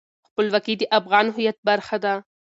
خپلواکي د افغان هویت برخه ده.